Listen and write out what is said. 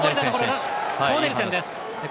コーネルセンです。